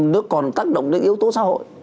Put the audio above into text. nó còn tác động đến yếu tố xã hội